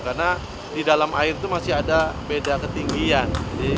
karena di dalam air itu masih ada beda ketinggian